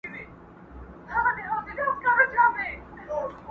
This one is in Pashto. خو لستوڼي مو تل ډک وي له مارانو!.